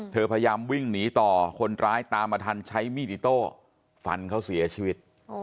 พยายามวิ่งหนีต่อคนร้ายตามมาทันใช้มีดอิโต้ฟันเขาเสียชีวิต